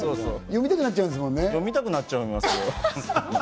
読みたくなっちゃうんですよ。